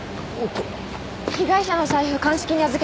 被害者の財布鑑識に預けてきました。